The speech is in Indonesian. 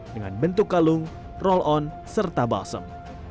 dengan bentuk kalung roll on serta balsem